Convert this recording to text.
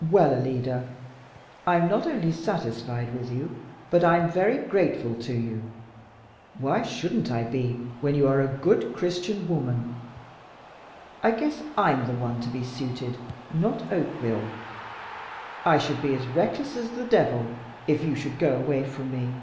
"Well, Alida, I'm not only satisfied with you, but I'm very grateful to you. Why shouldn't I be when you are a good Christian woman? I guess I'm the one to be suited, not Oakville. I should be as reckless as the devil if you should go away from me.